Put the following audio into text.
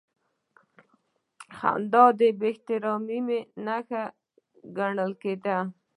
خندا د بېاحترامۍ نښه ګڼل کېده.